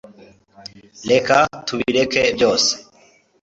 reka tubireke byose